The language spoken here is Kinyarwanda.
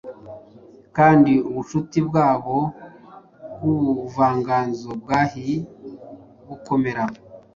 kandi ubucuti bwabo bw'ubuvanganzo bwahie bukomera: